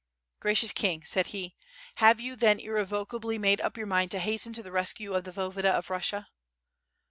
"Gracious King," said he, 'Tiave you then irrevocably made up your mind to hasten to the rescue of the Voyevoda of Russia